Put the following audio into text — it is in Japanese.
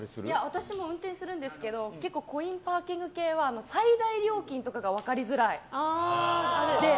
私も運転するんですけど結構コインパーキング系は最大料金とかが分かりづらい。